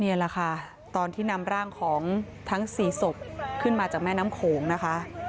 นี่แหละค่ะตอนที่นำร่างของทั้ง๔ศพขึ้นมาจากแม่น้ำโขงนะคะ